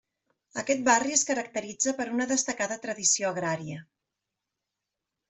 Aquest barri es caracteritza per una destacada tradició agrària.